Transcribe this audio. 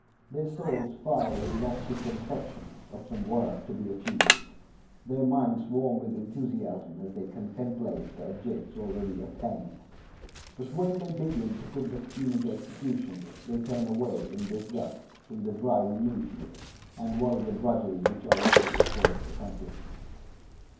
Their souls fire with lofty conceptions of some work to be achieved, their minds warm with enthusiasm as they contemplate the objects already attained; but when they begin to put the scheme into execution they turn away in disgust from the dry minutiæ and vulgar drudgery which are requisite for its accomplishment.